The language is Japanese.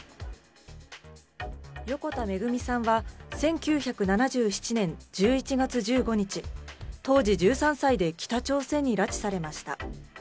横田めぐみさんは、１９７７年１１月１５日、当時１３歳で北朝鮮に拉致されました。